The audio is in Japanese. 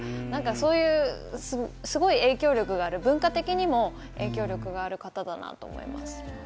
そういうすごい影響力がある文化的にも影響力がある方だなと思います。